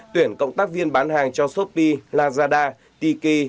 tuyển cộng tác viên bán hàng cho shopee lazada tiki